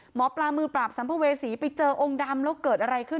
หมอปลามือปราบสัมภเวษีไปเจอองค์ดำแล้วเกิดอะไรขึ้น